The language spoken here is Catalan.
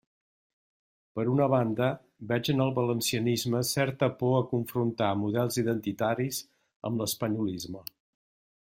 Per una banda, veig en el valencianisme certa por a confrontar models identitaris amb l'espanyolisme.